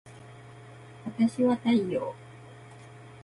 わたしは太陽